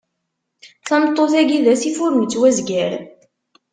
Tameṭṭut-agi d asif ur nettwazgar.